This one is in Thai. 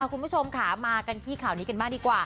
คุณผู้ชมค่ะมากันที่ข่าวนี้กันบ้างดีกว่า